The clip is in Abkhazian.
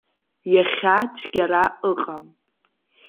Иахьа цәгьара ыҟам.